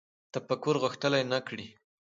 تفکر غښتلی نه کړي